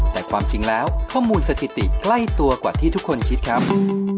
แต่ความจริงแล้วข้อมูลสถิติใกล้ตัวกว่าที่ทุกคนคิดครับ